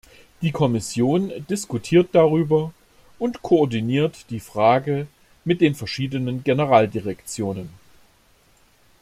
Die Kommission diskutiert darüber und koordiniert die Frage mit den verschiedenen Generaldirektionen.